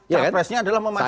capresnya adalah memastikan